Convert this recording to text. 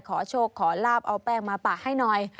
ถ้าโชคลาบเอาแป้งมาปากให้หน่อย